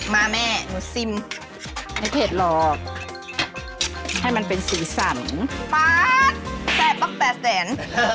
มาแม่หนูซิมไม่เผ็ดหรอกให้มันเป็นสีสั่นป๊า๊ดแป๊บป๊ากแป๊บแสน